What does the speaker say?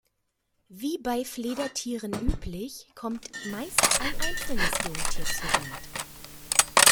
Wie bei Fledertieren üblich, kommt meist ein einzelnes Jungtier zur Welt.